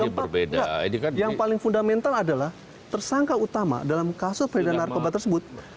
dan yang paling berbeda yang paling fundamental adalah tersangka utama dalam kasus peradilan narkoba tersebut